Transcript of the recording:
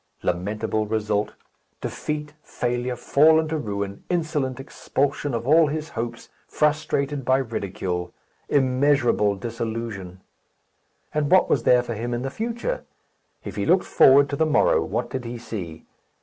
Lamentable result! Defeat, failure, fall into ruin, insolent expulsion of all his hopes, frustrated by ridicule. Immeasurable disillusion! And what was there for him in the future? If he looked forward to the morrow, what did he see?